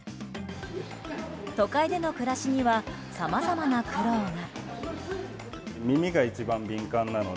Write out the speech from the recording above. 都会での暮らしにはさまざまな苦労が。